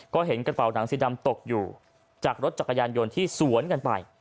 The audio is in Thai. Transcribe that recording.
ก็เห็นกระเป๋าหนังสีดำตกอยู่จากรถจักรยานยนต์ที่สวนกันไป